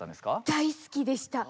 大好きでした。